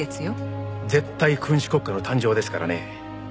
絶対君主国家の誕生ですからね。